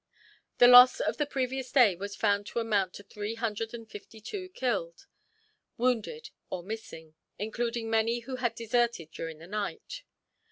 The loss on the previous day was found to amount to three hundred and fifty two killed, wounded, or missing; including many who had deserted during the night.